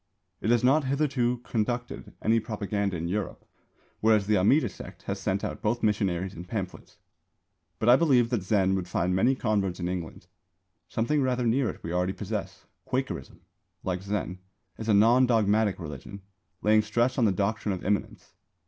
It has not hitherto conducted any propaganda in Europe, whereas the Amida Sect has sent out both missionaries and pamphlets. But I believe that Zen would find many converts in England. Something rather near it we already possess. Quakerism, like Zen, is a non dogmatic religion, laying stress on the doctrine of Immanence.